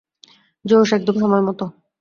জোশ, একদম সময়মতো।